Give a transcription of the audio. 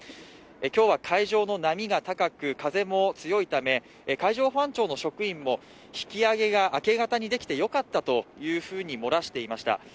今日は海上の波が高く風も強いため、海上保安庁の職員も引き揚げが明け方にできたよかったと漏らしていました。